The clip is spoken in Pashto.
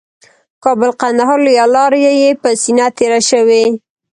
کابل قندهار لویه لاره یې په سینه تېره شوې